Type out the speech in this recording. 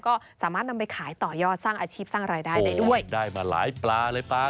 ก็สามารถนำไปขายต่อยอดสร้างอาชีพสร้างรายได้ได้ด้วยได้มาหลายปลาเลยปลา